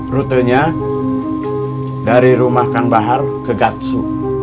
rutenya dari rumah kan bahar ke gatsu